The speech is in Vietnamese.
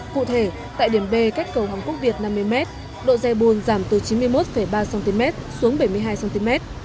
cụ thể tại điểm b cách cầu hồng quốc việt năm mươi m độ dây bùn giảm từ chín mươi một ba cm xuống bảy mươi hai cm